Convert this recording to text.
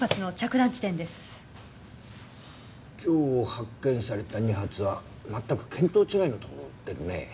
今日発見された２発は全く見当違いのところに行ってるね。